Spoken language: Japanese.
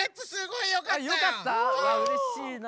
いやうれしいな。